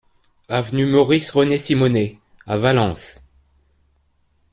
Avenue Maurice René Simonet à Valence